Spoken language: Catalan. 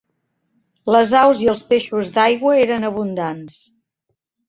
Les aus i els peixos d'aigua eren abundants.